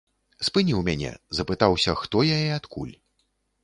Спыніў мяне, запытаўся, хто я і адкуль.